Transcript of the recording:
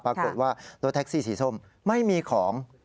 ปรากฏว่ารถแท็กซี่สีส้มไม่มีของ